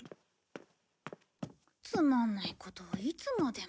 つまんないことをいつまでも。